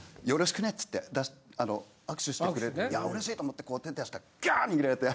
つって握手してくれていやうれしいと思ってこう手出したらガーッ握られて。